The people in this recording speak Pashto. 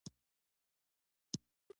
دا په سالنګ واټ کې واقع ده په پښتو ژبه.